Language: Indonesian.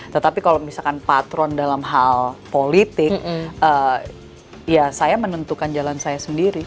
tetapi kalau misalkan patron dalam hal politik ya saya menentukan jalan saya sendiri